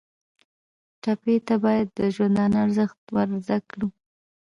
ټپي ته باید د ژوندانه ارزښت ور زده کړو.